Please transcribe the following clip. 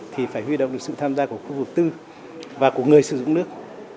thì phải huy động được sự tham gia của khu vực tư và của người sử dụng nước